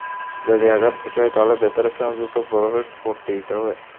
যদি আঘাত বেশি হয়, তাহলে ব্যথার স্থানে দ্রুত বরফের পট্টি দিতে হবে।